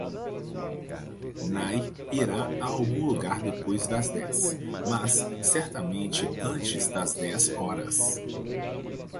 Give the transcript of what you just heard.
Nai irá a algum lugar depois das dez, mas certamente antes das dez horas.